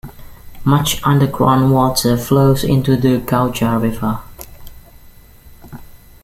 Much underground water flows into the Gauja River.